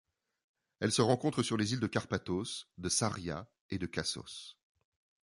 Elle se rencontre sur les îles de Karpathos, de Saria et de Kassos.